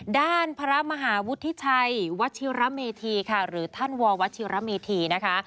ด้านพระมหาวุฒิชัยวัชิระเมธีค่ะหรือท่านววชิระเมธีนะคะ